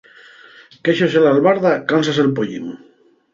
Quéxase l'albarda, cánsase'l pollín.